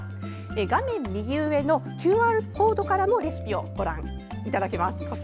画面右上のＱＲコードからもレシピをご覧いただけます。